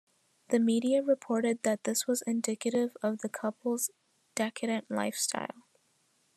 The media reported that this was indicative of the couple's decadent lifestyle.